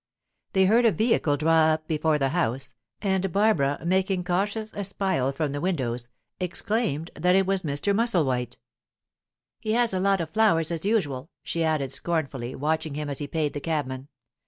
They heard a vehicle draw up before the house, and Barbara, making cautious espial from the windows, exclaimed that it was Mr. Musselwhite. "He has a lot of flowers, as usual," she added, scornfully, watching him as he paid the cabman.